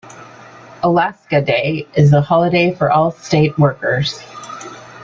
Alaska Day is a holiday for all state workers.